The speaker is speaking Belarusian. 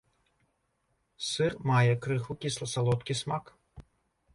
Сыр мае крыху кісла-салодкі смак.